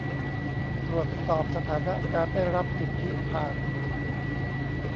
ตรวจสอบสถานะการได้รับสิทธิผ่าน